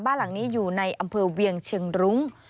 บ้านหลังนี้อยู่ในอำเภอเวียงเชียงรุ้ง